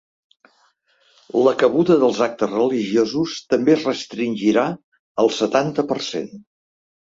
La cabuda dels actes religiosos també es restringirà al setanta per cent.